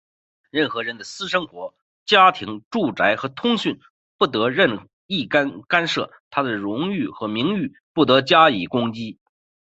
任何人的私生活、家庭、住宅和通信不得任意干涉,他的荣誉和名誉不得加以攻击。